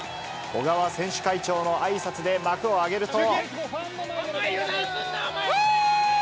小川選手会長のあいさつで幕を上げると。